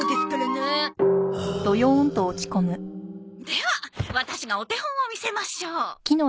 ではワタシがお手本を見せましょう。